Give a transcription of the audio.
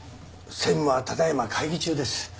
専務はただ今会議中です。